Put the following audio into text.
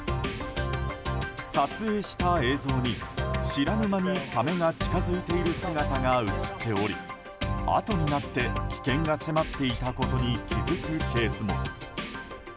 撮影した映像に知らぬ間にサメが近づいている姿が映っておりあとになって危険が迫っていたことに気づくケースも。